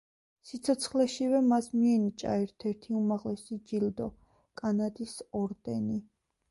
სიცოცხლეშივე მას მიენიჭა ერთ-ერთი უმაღლესი ჯილდო, კანადის ორდენი.